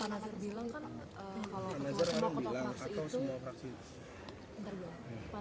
pak nazir bilang kalau semua ketua fraksi itu mengalirkan dana iktp